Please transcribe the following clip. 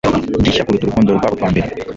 Gishya kuruta urukundo rwabo rwa mbere